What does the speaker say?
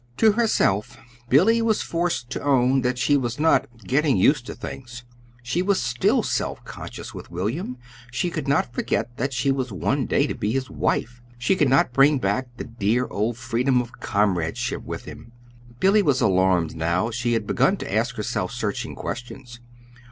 To herself Billy was forced to own that she was not "getting used to things." She was still self conscious with William; she could not forget that she was one day to be his wife. She could not bring back the dear old freedom of comradeship with him. Billy was alarmed now. She had begun to ask herself searching questions.